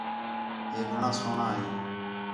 ہے گھݨاں سوہݨاں ہے